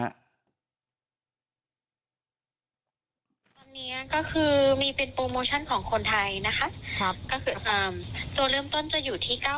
วันนี้ก็คือมีเป็นโปรโมชั่นของคนไทยนะครับ